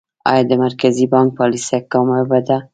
آیا د مرکزي بانک پالیسي کامیابه ده؟